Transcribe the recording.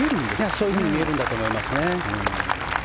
そういうふうに見えるんだと思いますね。